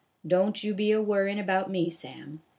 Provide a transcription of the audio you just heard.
" Don't you be a wor ryin' about me, Sam.